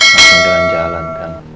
langsung jalan jalan kan